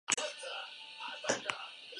Halaber, trafikoan aldaketak egingo dituzte.